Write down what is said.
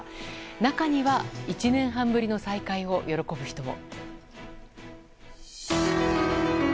中には、１年半ぶりの再会を喜ぶ人も。